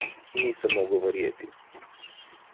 Nisem mogel verjeti.